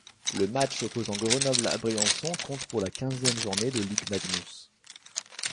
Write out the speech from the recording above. Le match opposant Grenoble à Briançon compte pour la quinzième journée de ligue Magnus.